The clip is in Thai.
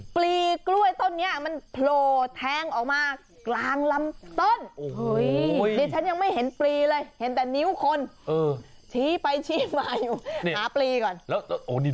ปลีกล้วยต้นนี้มันโผล่แทงออกมากลางลำต้น